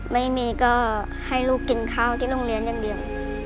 ไม่มีก็ให้ลูกกินข้าวที่โรงเรียนอย่างเดียว